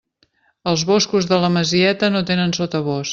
Els boscos de la Masieta no tenen sotabosc.